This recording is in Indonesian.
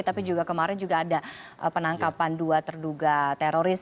tapi juga kemarin juga ada penangkapan dua terduga teroris